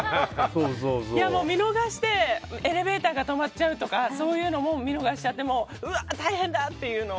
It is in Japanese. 見逃して、エレベーターが止まっちゃうとかそういうのも見逃しちゃって大変だなってあります。